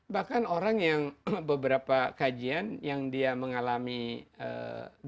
bahkan orang yang beberapa kajian yang dia mengalami ee